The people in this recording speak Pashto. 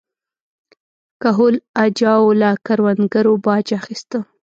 کهول اجاو له کروندګرو باج اخیسته.